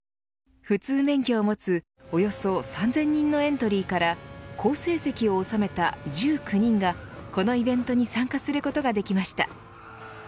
普通免許を持つおよそ３０００人のエントリーから好成績を収めた１９人がこのイベントに参加することができました。